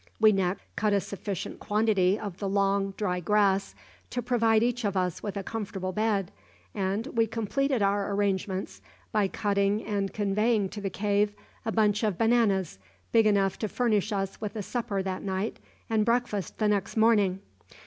We next cut a sufficient quantity of the long, dry grass to provide each of us with a comfortable bed, and we completed our arrangements by cutting and conveying to the cave a bunch of bananas big enough to furnish us with a supper that night and breakfast the next morning.